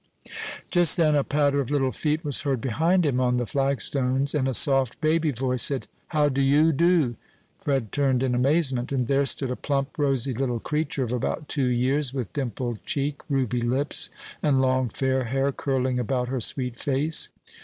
Just then a patter of little feet was heard behind him on the flagstones, and a soft, baby voice said, "How do 'oo do?" Fred turned in amazement; and there stood a plump, rosy little creature of about two years, with dimpled cheek, ruby lips, and long, fair hair curling about her sweet face.